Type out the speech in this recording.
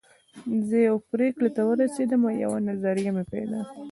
زه يوې پرېکړې ته ورسېدم او يوه نظريه مې پيدا کړه.